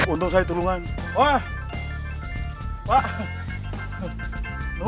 untuk saya tolongan wah pak